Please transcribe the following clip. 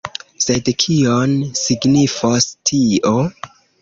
Sed kion signifos tio?